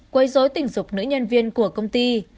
quấy dối tình dục nữ nhân viên của công ty